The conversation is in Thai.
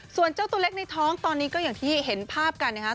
ส่วนเจ้าตัวเล็กในท้องตอนนี้ก็อย่างที่เห็นภาพกันนะครับ